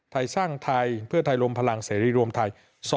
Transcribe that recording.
ไทยสร้างไทยเพื่อไทยรวมพลังเสรีรวมไทย